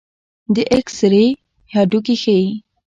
د ایکس رې هډوکي ښيي.